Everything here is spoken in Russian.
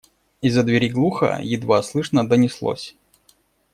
И из-за двери глухо, едва слышно донеслось: